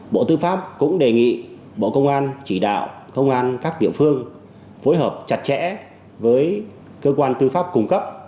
bộ tư pháp cũng đề nghị bộ công an chỉ đạo công an các địa phương phối hợp chặt chẽ với cơ quan tư pháp cung cấp